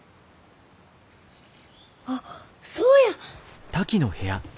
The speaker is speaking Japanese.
あっそうや！